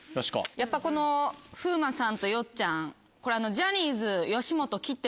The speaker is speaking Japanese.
やっぱこの風磨さんとよっちゃんこれ。